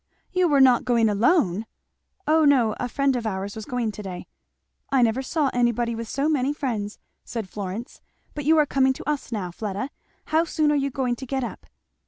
"You were not going alone!" "O no a friend of ours was going to day." "I never saw anybody with so many friends!" said Florence. "But you are coming to us now, Fleda. How soon are you going to get up?"